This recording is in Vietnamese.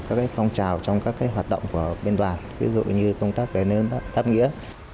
các phong trào trong các hoạt động của bên đoàn ví dụ như công tác về nơi tháp nghĩa